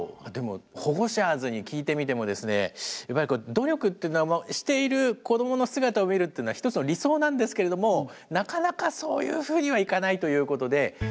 でもホゴシャーズに聞いてみてもですね努力っていうのはしている子どもの姿を見るっていうのは一つの理想なんですけれどもなかなかそういうふうにはいかないということで。